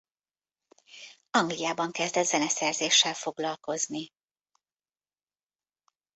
Angliában kezdett zeneszerzéssel foglalkozni.